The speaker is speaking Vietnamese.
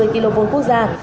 hai trăm hai mươi kw quốc gia